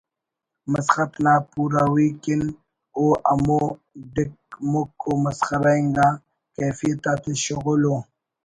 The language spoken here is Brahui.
مسخت نا پوروی کن او ہمو ڈِک مُک و مسخرہ انگا کیفیت آتے شغل و